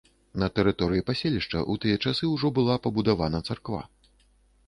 На тэрыторыі паселішча ў тыя часы ўжо была пабудавана царква.